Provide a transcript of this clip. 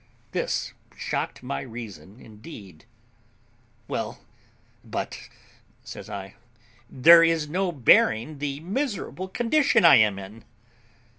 This shocked my reason indeed. "Well, but," says I, "there is no bearing the miserable condition I am in."